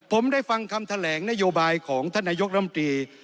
ผมได้ฟังคำแถลงนโยบายของท่านนายกรัมตรี